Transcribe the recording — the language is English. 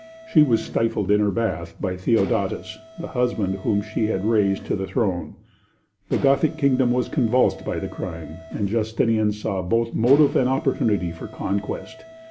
She was stifled in her bath by Theodatus, the husband whom she had raised to the throne. The Gothic kingdom was convulsed by the crime, and Justinian saw both motive and opportunity for conquest.